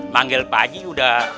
manggil pak haji udah